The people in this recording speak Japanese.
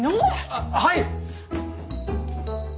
あっはい！